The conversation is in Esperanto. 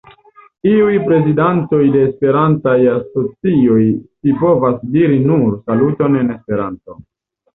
Iuj prezidantoj de Esperantaj asocioj scipovas diri nur "Saluton" en Esperanto.